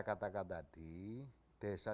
katakan tadi desa